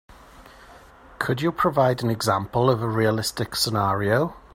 Could you provide an example of a realistic scenario?